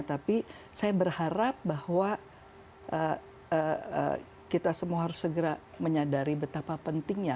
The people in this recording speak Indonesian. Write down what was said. tapi saya berharap bahwa kita semua harus segera menyadari betapa pentingnya